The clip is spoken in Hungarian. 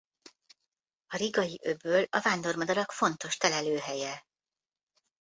A Rigai-öböl a vándormadarak fontos telelőhelye.